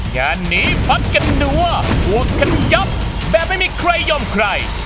งานนี้พักกันดูว่าบวกกันยับแบบไม่มีใครยอมใคร